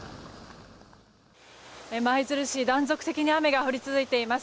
舞鶴市断続的に雨が降り続いています。